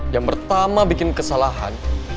yang pertama bikin kesalahan